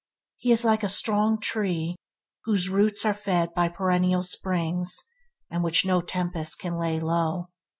He is like a strong tree whose roots are fed by perennial springs, and which no tempest can law low.